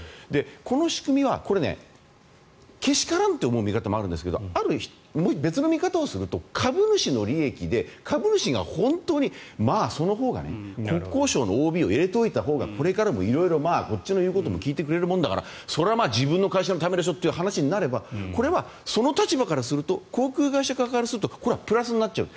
この仕組みは、けしからんと思う見方もあるんですけど別の見方をすると、株主の利益で株主が本当に、そのほうが国交省のＯＢを入れておいたほうがこれからも色々こっちの言うことも聞いてくれるもんだからそれは自分の会社のためでしょって話になればその立場からすると航空会社からするとこれはプラスになっちゃう。